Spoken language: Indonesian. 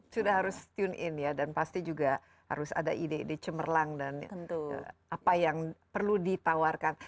sudah harus tune in ya dan pasti juga harus ada ide ide cemerlang dan apa yang perlu ditawarkan